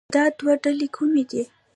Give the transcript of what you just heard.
دا دوه ډلې کومې دي